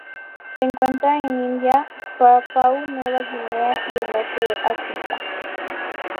Se encuentran en Indonesia Papúa Nueva Guinea y el norte de Australia.